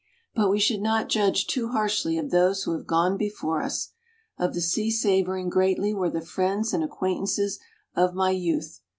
But we should not judge too harshly of those who have gone before us. Of the sea savouring greatly were the friends and acquaintances of my youth.